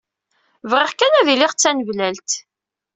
Bɣiɣ kan ad iliɣ d taneblalt.